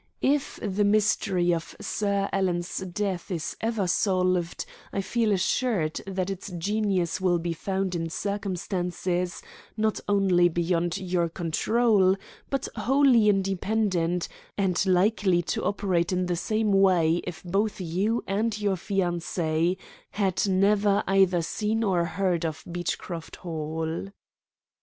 If the mystery of Sir Alan's death is ever solved, I feel assured that its genesis will be found in circumstances not only beyond your control, but wholly independent, and likely to operate in the same way if both you and your fiancé had never either seen or heard of Beechcroft Hall."